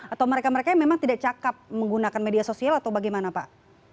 atau mereka mereka yang memang tidak cakep menggunakan media sosial atau bagaimana pak